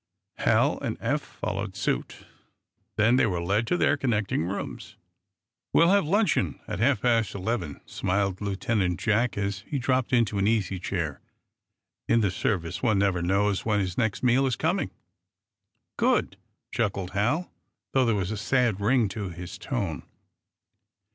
Hal and Eph followed suit. Then they were led to their connecting rooms. "We'll have luncheon at half past eleven," smiled Lieutenant Jack, as he dropped into an easy chair. "In the service one never knows when his next meal is coming." "Good!" chuckled Hal, though there was a sad ring to his tone.